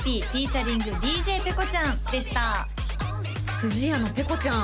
不二家のペコちゃん